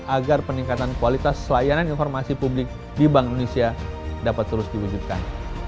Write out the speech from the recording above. agar peningkatan kualitas layanan informasi publik di bank indonesia dapat terus diwujudkan